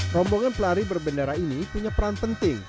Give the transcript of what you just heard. rombongan pelari berbendera ini punya peran penting